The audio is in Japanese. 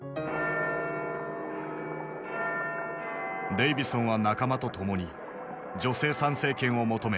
デイヴィソンは仲間と共に女性参政権を求め